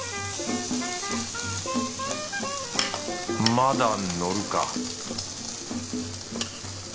まだ乗るか